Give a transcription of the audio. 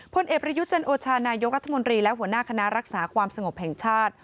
พลเอกประยุทธ์จันโอชานายกรัฐมนตรีและหัวหน้าคณะรักษาความสงบแห่งชาติ